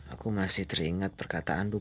aku masih teringat perkataan